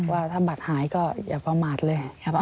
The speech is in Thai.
ว่าถ้าบัตรหายก็อย่าประมาทเลย